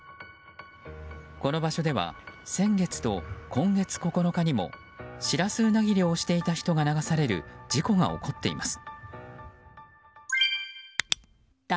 この場所では先月と今月９日にもシラスウナギ漁をしていた人が流される事故が起こっています。